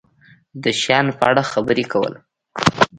د شیانو په اړه خبرې کول